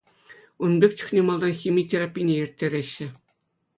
Ун пек чухне малтан хими терапине ирттереҫҫӗ.